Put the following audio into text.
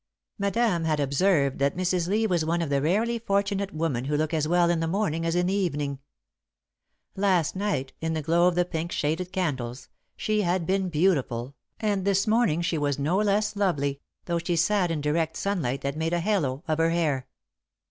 Madame had observed that Mrs. Lee was one of the rarely fortunate women who look as well in the morning as in the evening. Last night, in the glow of the pink shaded candles, she had been beautiful, and this morning she was no less lovely, though she sat in direct sunlight that made a halo of her hair.